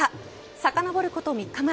さかのぼること３日前。